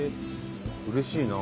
うれしいな。